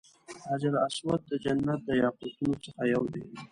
حجر اسود د جنت د یاقوتو څخه یو دی.